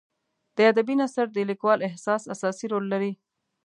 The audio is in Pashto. د ادبي نثر د لیکوال احساس اساسي رول لري.